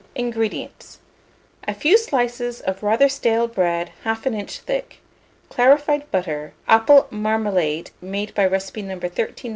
INGREDIENTS. A few slices of rather stale bread 1/2 inch thick, clarified butter, apple marmalade made by recipe No.